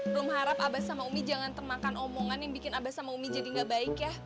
belum harap abas sama umi jangan termakan omongan yang bikin abah sama umi jadi gak baik ya